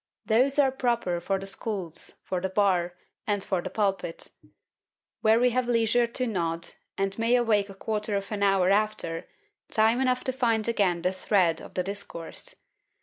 Those are proper for the schools, for the bar, and for the pulpit, where we have leisure to nod, and may awake a quarter of an hour after, time enough to find again the thread of the discourse.